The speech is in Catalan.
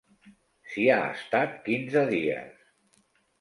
S'hi ha estat quinze dies.